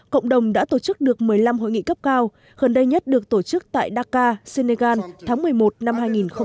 cộng đồng đã tổ chức được một mươi năm hội nghị cấp cao gần đây nhất được tổ chức tại dakar senegal tháng một mươi một năm hai nghìn một mươi chín